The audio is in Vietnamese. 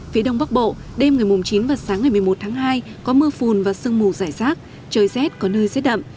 phía đông bắc bộ đêm ngày chín và sáng ngày một mươi một tháng hai có mưa phùn và sương mù rải rác trời rét có nơi rét đậm